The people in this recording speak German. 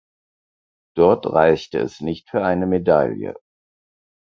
Dort reichte es nicht für eine Medaille.